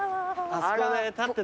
あそこで立ってたのよ。